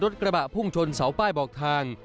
กระบะพุ่งชนเสาป้ายบอกทาง